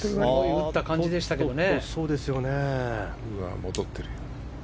打った感じでしたけどね。